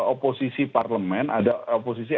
oposisi parlemen ada oposisi